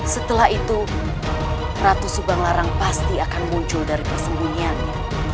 setelah itu ratu subang larang pasti akan muncul dari persembunyiannya